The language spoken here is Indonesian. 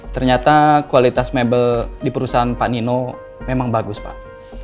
ternyata kualitas mebel di perusahaan pak nino memang bagus pak